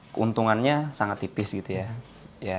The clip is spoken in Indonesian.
keuntungannya sangat tipis gitu ya